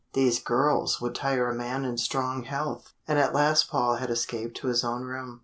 "These girls would tire a man in strong health!" And at last Paul had escaped to his own room.